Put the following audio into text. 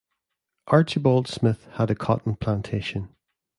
Archibald Smith had a cotton plantation.